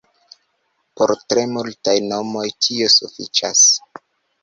Por tre multaj nomoj tio sufiĉas.